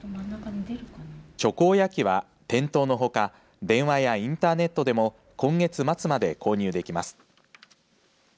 ちょこおやきは店頭のほか電話やインターネットでも今月末まで購入できます。